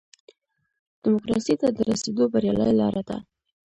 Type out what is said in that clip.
ډیموکراسۍ ته د رسېدو بریالۍ لاره ده.